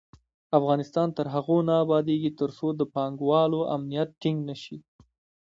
افغانستان تر هغو نه ابادیږي، ترڅو د پانګه والو امنیت ټینګ نشي.